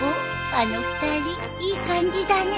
あの２人いい感じだね。